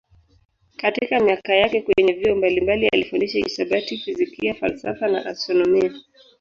Katika miaka yake kwenye vyuo mbalimbali alifundisha hisabati, fizikia, falsafa na astronomia.